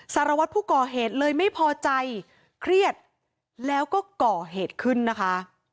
สารวัตรผู้ก่อเหตุเลยไม่พอใจเครียดแล้วก็ก่อเหตุขึ้นนะคะ